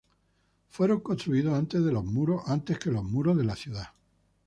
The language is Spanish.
Fueron construidos antes que los muros de la ciudad.